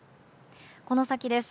この先です。